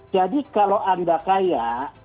jadi kalau anda kaya